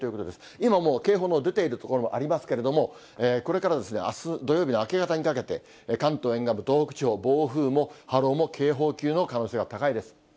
今もう、警報の出ている所もありますけれども、これからあす土曜日の明け方にかけて、関東沿岸部、東北地方、暴風も波浪も警報級の可能性が高いです。